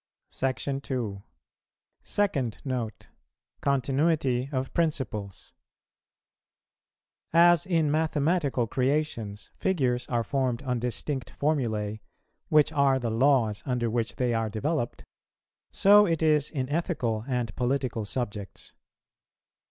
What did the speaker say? SECTION II. SECOND NOTE. CONTINUITY OF PRINCIPLES. As in mathematical creations figures are formed on distinct formulæ, which are the laws under which they are developed, so it is in ethical and political subjects.